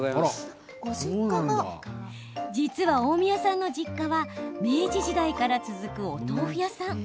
実は、大宮さんの実家は明治時代から続くお豆腐屋さん。